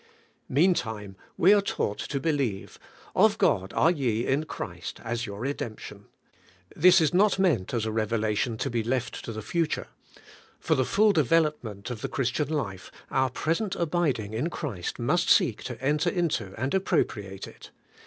Meantime we are taught to believe : Of God are ye in Christ, as your redemption. This is not meant as a revelation, to be left to the future; for the full de velopment of the Christian life, our present abiding in Christ must seek to enter into and appropriate it.